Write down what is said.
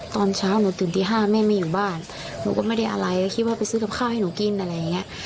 ตอนเช้าหนูตื่นตี๕แม่ไม่อยู่บ้านหนูก็ไม่ได้อะไรก็คิดว่าไปซื้อกับข้าวให้หนูกินอะไรอย่างเงี้ย